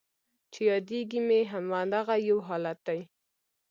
چې یادیږي مې همدغه یو حالت دی